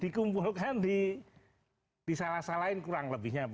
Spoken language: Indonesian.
dikumpulkan di salah salahin kurang lebihnya